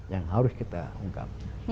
yang harus kita ungkap